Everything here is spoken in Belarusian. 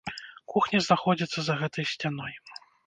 Кухня знаходзіцца за гэтай сцяной.